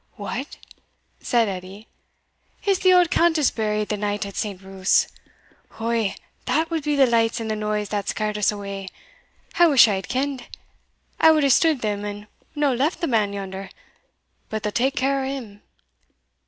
"What!" said Edie, "is the auld Countess buried the night at St. Ruth's? Ou, that wad be the lights and the noise that scarr'd us awa; I wish I had ken'd I wad hae stude them, and no left the man yonder but they'll take care o' him.